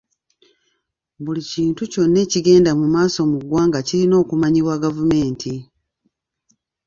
Buli kintu kyonna ekigenda mu maaso mu ggwanga kirina okumanyibwa gavumenti.